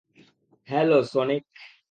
Hello, Sonic.